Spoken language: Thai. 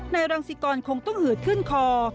รังสิกรคงต้องหืดขึ้นคอ